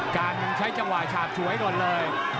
การยังใช้จังหวะฉาบฉวยก่อนเลย